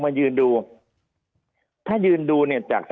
ภารกิจสรรค์ภารกิจสรรค์